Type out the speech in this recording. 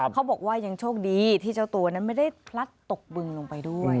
เขาบอกว่ายังโชคดีที่เจ้าตัวนั้นไม่ได้พลัดตกบึงลงไปด้วย